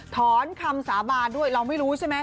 ถอนคำสาบานด้วยเราไม่รู้ใช่ไหม